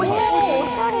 おしゃれ！